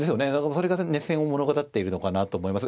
それが熱戦を物語っているのかなと思います。